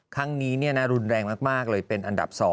ครั้งนี้รุนแรงมากเลยเป็นอันดับ๒